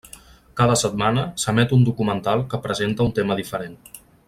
Cada setmana s'emet un documental que presenta un tema diferent.